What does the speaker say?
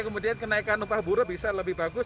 kemudian kenaikan upah buruh bisa lebih bagus